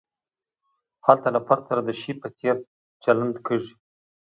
هلته له فرد سره د شي په څېر چلند کیږي.